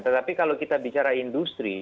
tetapi kalau kita bicara industri